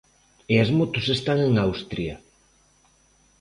E as motos están en Austria.